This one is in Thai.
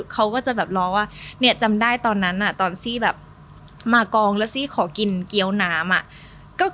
เขาก็จะร้องว่าจำได้ตอนนั้นตอนซีมากองแล้วซีขอกินเกี๊ยวน้ำ